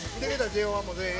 ＪＯ１も全員。